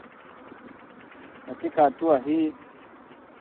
Katika hatua hii